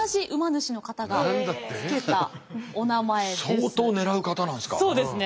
相当ねらう方なんですか？